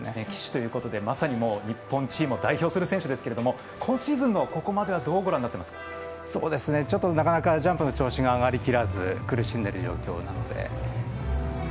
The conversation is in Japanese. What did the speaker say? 旗手ということでまさに日本チームを代表する選手なんですけれども今シーズンの、ここまではなかなかジャンプの調子が上がりきらず苦しんでいる状況なので。